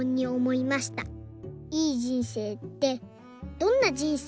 いい人生ってどんな人生ですか？」。